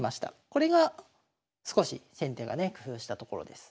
これが少し先手がね工夫したところです。